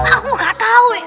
aku nggak tahu